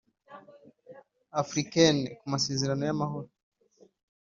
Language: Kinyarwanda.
Africaines ku masezerano y amahoro